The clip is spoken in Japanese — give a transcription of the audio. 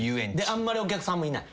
あんまりお客さんもいない。